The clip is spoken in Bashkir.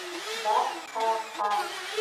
Баҡ-ҡа-ҡа.